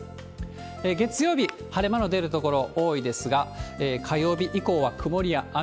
月曜日、晴れ間の出る所多いですが、火曜日以降は曇りや雨。